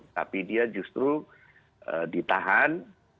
tapi dia justru ditahan